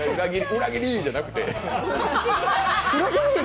裏切りじゃなくて。